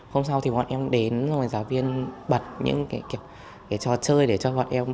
hôm sau thì bọn em đến rồi giáo viên bật những cái trò chơi để cho bọn em